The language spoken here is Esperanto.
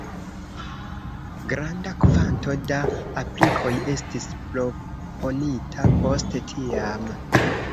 Granda kvanto da aplikoj estis proponita post tiam.